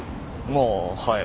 まあはい。